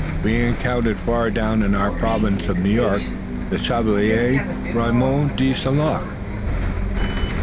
We encountered far down in our province of New York the Chevalier Raymond de St. Luc."